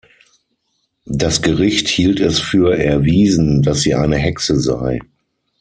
Das Gericht hielt es für erwiesen, dass sie eine Hexe sei.